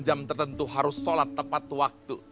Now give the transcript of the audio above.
di jam jam tertentu harus solat tepat waktu